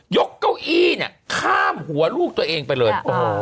เก้าอี้เนี่ยข้ามหัวลูกตัวเองไปเลย